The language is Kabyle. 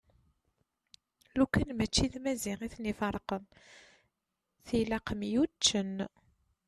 Lukan mačči d Maziɣ iten-iferqen tilaq myuččen.